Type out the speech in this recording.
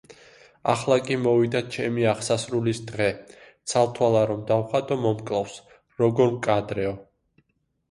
ახლა კი მოვიდა ჩემი აღსასრულის დღე, ცალთვალა რომ დავხატო, მომკლავს, როგორ მკადრეო;